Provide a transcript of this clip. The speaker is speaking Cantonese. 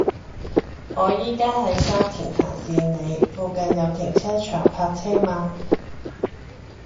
我依家喺沙田行善里，附近有停車場泊車嗎